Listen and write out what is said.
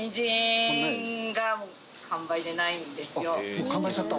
もう完売しちゃった？